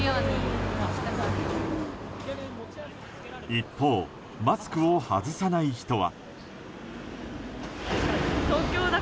一方マスクを外さない人は。